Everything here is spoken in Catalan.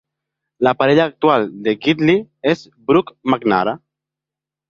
La parella actual de Gidley és Brooke McNamara.